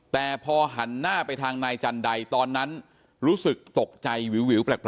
แต่พอหันหน้าไปทางนายจันทร์ใดตอนนั้นตกใจแพรก